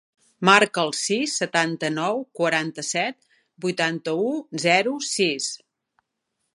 Marca el sis, setanta-nou, quaranta-set, vuitanta-u, zero, sis.